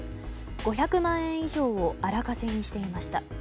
５００万円以上を荒稼ぎしていました。